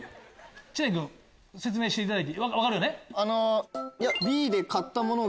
知念君説明していただいて分かるよね。